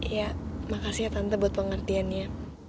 ya makasih ya tante buat pengertiannya